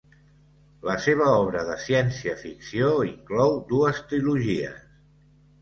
La seva obra de ciència-ficció inclou dues trilogies.